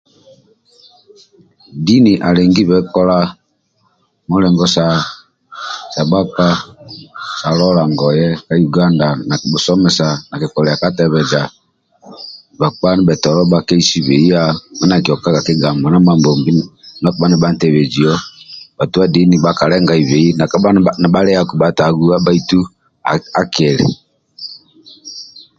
Dini alengibe kola mulingo tolia bhakpa ka lola ngoye ka Yuganda nakibhusomesa nakolilia ka tebeja bhakpa ndibhetolo bhakeisibeia mindia akiokaga kigambo ndia Mambombi mindia akibha nibha ntebezio nakakabha nibhaliaku bhataghuwa bhaitu akili